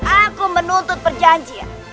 aku menuntut perjanjian